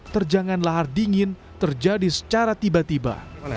terjangan lahar dingin terjadi secara tiba tiba